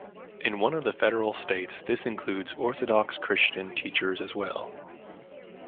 In one of the federal states this includes Orthodox Christian teachers as well.